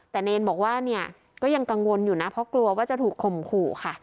แต่เนรบอกว่าเนี่ยก็ยังกังวลอยู่นะเพราะกลัวว่าจะถูกข่มขู่ค่ะ